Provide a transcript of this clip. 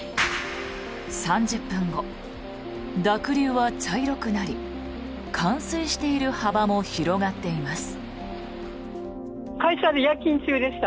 ３０分後、濁流は茶色くなり冠水している幅も広がっています。